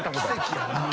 奇跡やな。